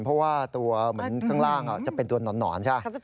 เพราะว่าตัวเหมือนข้างล่างจะเป็นตัวหนอนใช่ไหม